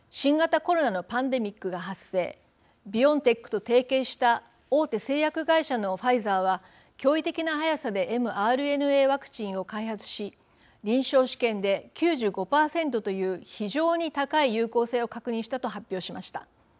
ビオンテックと提携した大手製薬会社のファイザーは驚異的な速さでｍＲＮＡワクチンを開発し臨床試験で９５％という非常に高い有効性を確認したと発表しました。